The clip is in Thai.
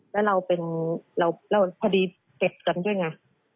แล้วเราเป็นเราคดีติดกันด้วยไง